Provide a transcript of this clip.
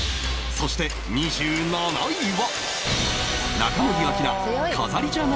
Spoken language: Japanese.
そして２７位は